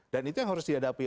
itu yang harus dihadapi